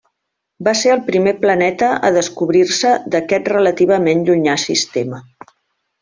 Va ser el primer planeta a descobrir-se d'aquest relativament llunyà sistema.